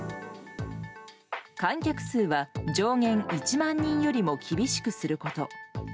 観客数は上限１万人よりも厳しくすること。